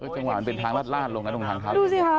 จังหวะมันเป็นทางลาดลงนะตรงทางเท้า